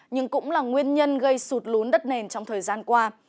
nhưng cũng là nguyên nhân gây sụt lún đất nền trong thời gian qua